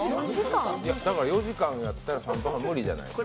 だから４時間やったら無理じゃないですか？